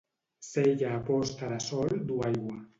Cella a posta de sol du aigua.